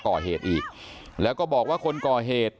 ก่อเหตุอีกแล้วก็บอกว่าคนก่อเหตุ